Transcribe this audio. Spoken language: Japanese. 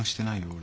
俺。